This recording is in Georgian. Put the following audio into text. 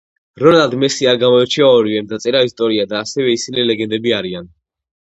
რონალდ მესი არ გამოირჩევა ორივემ დაწერა იასტორია და ასევე ისინი ლეგენდები არიან